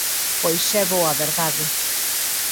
_Pois é boa verdade.